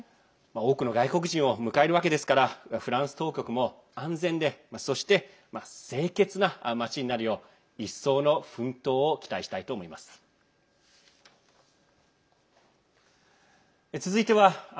多くの外国人を迎えるわけですからフランス当局も安全でそして清潔な町になるよう一層の奮闘を期待したいと思います。